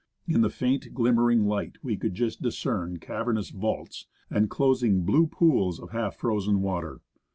In the faint, glimmering light we could just discern cavernous vaults, enclosing blue pools of half frozen water.